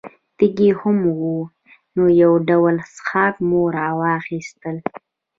تږي هم وو، نو یو ډول څښاک مو را واخیستل.